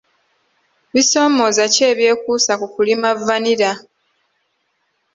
Bisoomooza ki ebyekuusa ku kulima vanilla?